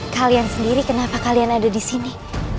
kalian sendiri kenapa kalian ada disini